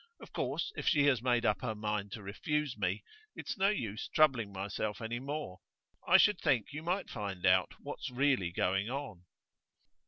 Of course if she has made up her mind to refuse me it's no use troubling myself any more. I should think you might find out what's really going on.